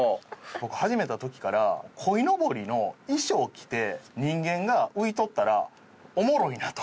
僕始めた時から鯉のぼりの衣装を着て人間が浮いとったらおもろいなと。